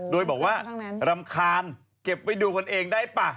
โดยบอกว่ารำคาญเก็บไว้ดูกันเองได้ป่ะ